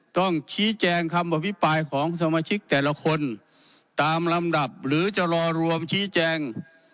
ต้องชี้แจงคำอภิปรายของสมาชิกแต่ละคนตามลำดับหรือจะรอรวมชี้แจง